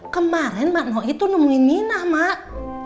kemarin mak noi tuh nemuin nina mak